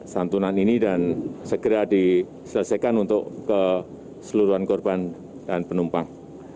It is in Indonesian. santunan ini dan segera diselesaikan untuk keseluruhan korban dan penumpang